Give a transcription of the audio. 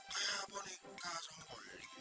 kayak bonika semuli